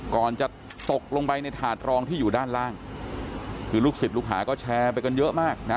ก่อนจะตกลงไปในถาดรองที่อยู่ด้านล่างคือลูกศิษย์ลูกหาก็แชร์ไปกันเยอะมากนะ